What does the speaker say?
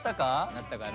なったかな？